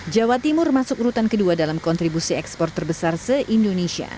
jawa timur masuk urutan kedua dalam kontribusi ekspor terbesar se indonesia